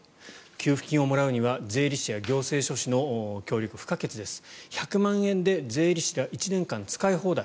給付金をもらうには税理士や行政書士の協力が不可欠です１００万円で税理士が１年間使い放題。